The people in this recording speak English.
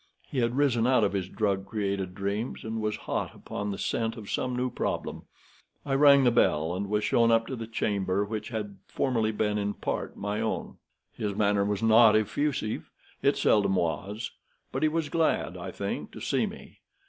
He had risen out of his drug created dreams, and was hot upon the scent of some new problem. I rang the bell, and was shown up to the chamber which had formerly been in part my own. His manner was not effusive. It seldom was; but he was glad, I think, to see me.